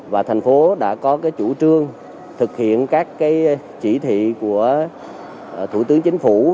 và thành phố đã có cái chủ trương thực hiện các chỉ thị của thủ tướng chính phủ